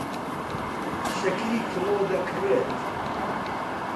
شەکری کڵۆ دەکڕێت.